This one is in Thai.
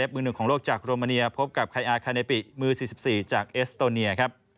มือ๒๔จากเอสโตเนีย